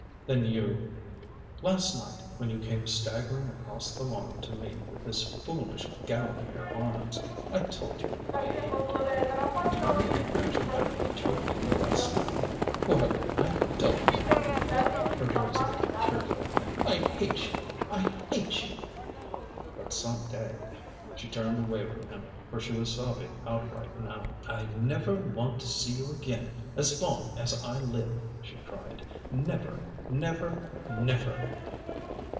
"Then you " "Last night when you came staggering across the lawn to me with this foolish gown in your arms I told you I hated you. Do you imagine I hate you any less now. Well, I don't." Her voice became tearful. "I hate you! I hate you!" "But some day " She turned away from him, for she was sobbing outright now. "I never want to see you again as long as I live," she cried. "Never! Never! Never!"